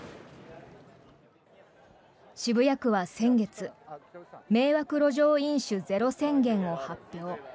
渋谷区は先月迷惑路上飲酒ゼロ宣言を発表。